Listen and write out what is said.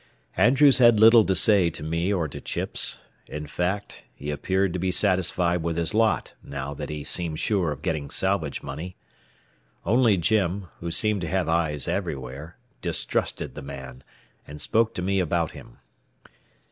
Andrews had little to say to me or to Chips. In fact, he appeared to be satisfied with his lot now that he seemed sure of getting salvage money. Only Jim, who seemed to have eyes everywhere, distrusted the man, and spoke to me about him.